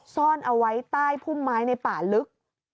ซ่อนเอาไว้ใต้พุ่มไม้ในป่าลึก